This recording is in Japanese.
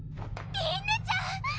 りんねちゃん！